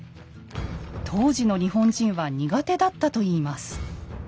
当時の日本人は苦手だったといいます。